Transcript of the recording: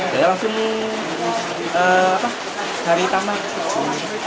dia langsung cari tamak